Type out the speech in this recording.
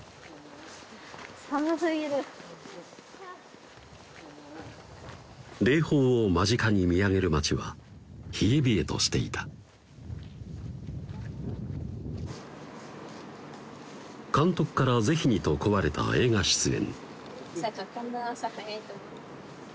寒すぎる霊峰を間近に見上げる町は冷え冷えとしていた監督から是非にと請われた映画出演まさか